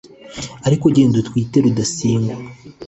ariko agenda atwite Rudasingwa